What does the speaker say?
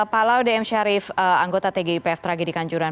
pak laude m syarif anggota tgipf tragedi kanjuran